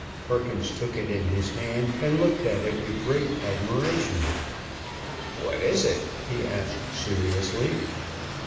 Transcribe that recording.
Perkins took it in his hand, and looked at it with great admiration. "What is it?" he asked seriously.